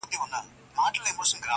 دا لاڅه هغه په هرڅه کې